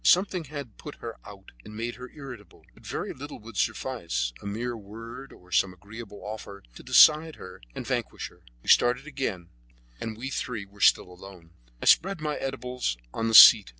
Something had put her out and made her irritable, but very little would suffice, a mere word or some agreeable offer, to decide her and vanquish her. We started again, and we three were still alone. I spread my eatables on the seat.